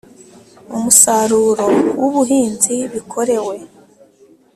Umusaruro w ubuhinzi bikorewe